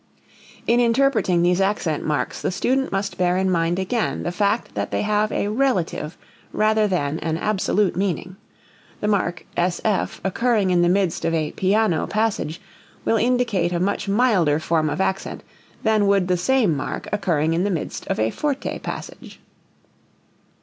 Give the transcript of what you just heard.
In interpreting these accent marks the student must bear in mind again the fact that they have a relative rather than an absolute meaning: the mark sf occurring in the midst of a piano passage will indicate a much milder form of accent than would the same mark occurring in the midst of a forte passage.